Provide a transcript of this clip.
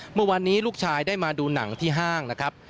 เมื่อวานนี้ลูกชายได้มาดูหนังที่ห้างนะครับ